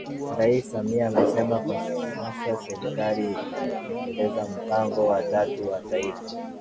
Rais Samia amesema kwa sasa Serikali inatekeleza Mpango wa Tatu wa Taifa